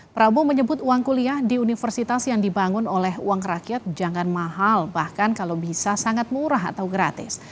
prabowo menyebut uang kuliah di universitas yang dibangun oleh uang rakyat jangan mahal bahkan kalau bisa sangat murah atau gratis